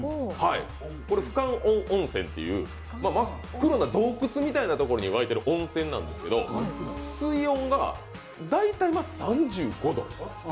これ不感温温泉っていう真っ黒な洞窟みたいな所に湧いている温泉なんですけど、水温が大体３５度。